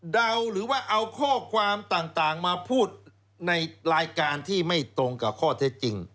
เดาหรือว่าเอาข้อความต่างมาพูดในรายการที่ไม่ตรงกับข้อเท็จจริง